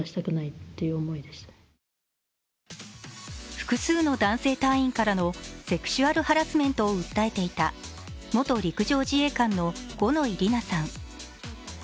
複数の男性隊員からのセクシュアルハラスメントを訴えていた元陸上自衛官の五ノ井里奈さん。